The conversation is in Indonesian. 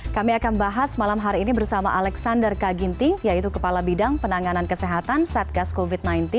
kami akan bahas malam hari ini bersama alexander kaginting yaitu kepala bidang penanganan kesehatan satgas covid sembilan belas